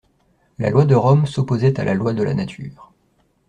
La loi de Rome s'opposait à la loi de la nature.